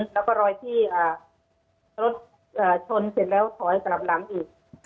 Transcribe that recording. ลอยที่รถชนและลอยที่ถอยกลับหลังอีก